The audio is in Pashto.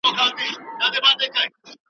دوی په خپلو کارونو کې بې مطالعې وو.